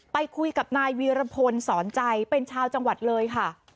ไปคุยกับนายวีรพลสอนใจเป็นชาวจังหวัดเลยค่ะ